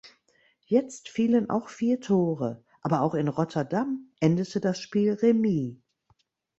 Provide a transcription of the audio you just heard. Jetzt fielen auch vier Tore, aber auch in Rotterdam endete das Spiel Remis.